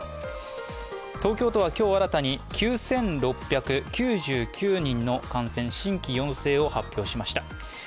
東京都は今日新たに９６９９人の感染、新規陽性を確認しました。